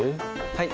はい。